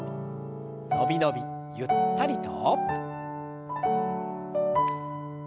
伸び伸びゆったりと。